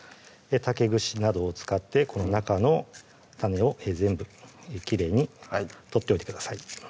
竹串などを使ってこの中の種を全部きれいに取っておいてください